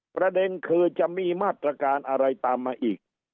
ประเด็นคือจะมีมาตรการอะไรตามมาอีก